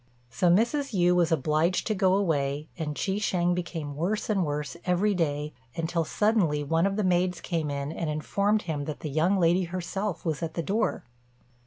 So Mrs. Yü was obliged to go away, and Chi shêng became worse and worse every day, until suddenly one of the maids came in and informed him that the young lady herself was at the door.